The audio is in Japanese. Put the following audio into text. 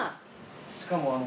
しかもあの。